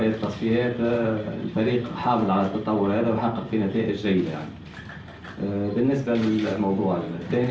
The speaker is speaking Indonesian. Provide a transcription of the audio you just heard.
dengan hal ini saya rasa ini bukan untuk mengembangkan para penonton dan mereka yang mengembangkan ini